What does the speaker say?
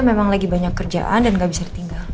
memang lagi banyak kerjaan dan gak bisa ditinggal